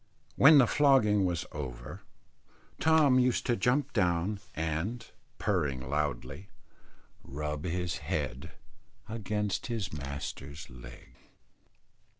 When the flogging was over, Tom used to jump down and, purring loudly, rub his head against his master's leg.